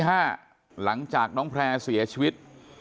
หลังจากน้องแพร่เสียชีวิต